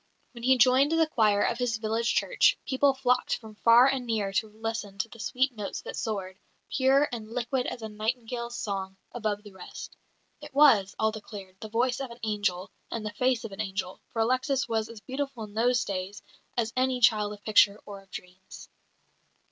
When he joined the choir of his village church, people flocked from far and near to listen to the sweet notes that soared, pure and liquid as a nightingale's song, above the rest. "It was," all declared, "the voice of an angel and the face of an angel," for Alexis was as beautiful in those days as any child of picture or of dreams.